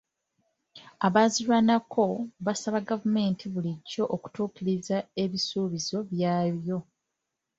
Abaazirwanako baasaba gavumenti bulijjo okutuukiriza ebisuubizo byayo.